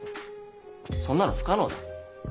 そんなの不可能だ。